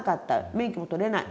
免許も取れない。